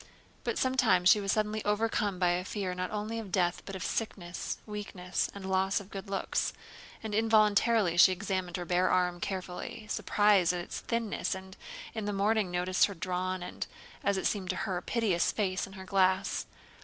But sometimes she was suddenly overcome by fear not only of death but of sickness, weakness, and loss of good looks, and involuntarily she examined her bare arm carefully, surprised at its thinness, and in the morning noticed her drawn and, as it seemed to her, piteous face in her glass.